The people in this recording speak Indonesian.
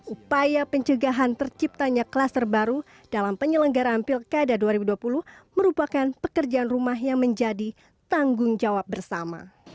upaya pencegahan terciptanya klaster baru dalam penyelenggaraan pilkada dua ribu dua puluh merupakan pekerjaan rumah yang menjadi tanggung jawab bersama